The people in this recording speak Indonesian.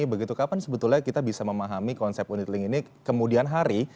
begitu kapan sebetulnya kita bisa memahami konsep unit link ini kemudian hari